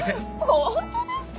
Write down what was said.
ホントですか？